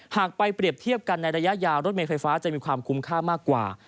หากไปเปรียบเทียบกันในระยะยาวรถเมย์ไฟฟ้าจะมีความคุ้มค่ามากกว่า